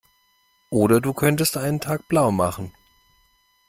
Oder du könntest einen Tag blaumachen.